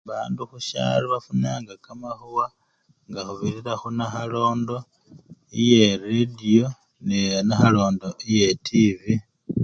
Bandu khusyalo bafunanga kamakhuwa ngakhubirira khunakhalondo layered nenakhalondo ye tivi.